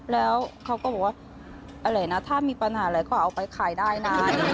แล้วเขาก็บอกว่าอะไรนะถ้ามีปัญหาอะไรก็เอาไปขายได้นะ